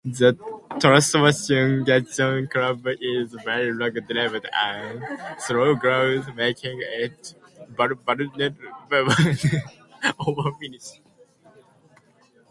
The Tasmanian giant crab is very long-lived and slow-growing, making it vulnerable to overfishing.